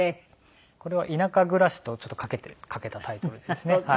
これは田舎暮らしとちょっと掛けたタイトルですね。